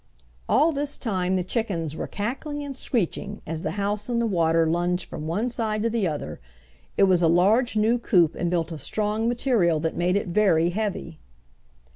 All this time the chickens were cackling and screeching, as the house in the water lunged from one side to the other. It was a large new coop and built of strong material that made it very heavy.